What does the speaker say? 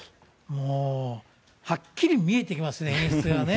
はっきり見えてきますね、演出がね。